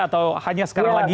atau hanya sekarang lagi